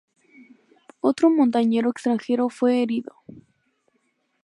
Otro montañero extranjero fue herido.